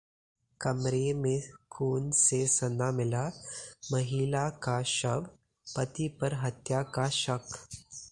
कमरे में खून से सना मिला महिला का शव, पति पर हत्या का शक